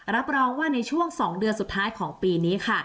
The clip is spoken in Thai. รับรองว่าในช่วง๒เดือนสุดท้ายของปีนี้ค่ะ